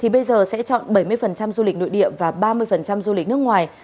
bây giờ sẽ chọn bảy mươi du lịch nội địa và ba mươi du lịch nước ngoài